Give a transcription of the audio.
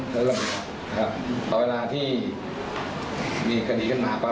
เป็นมีมวลกับเดียวออกมานี้ก็เหมือนกัน